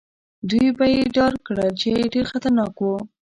دوی به يې ډار کړل، چې ډېر خطرناک وو.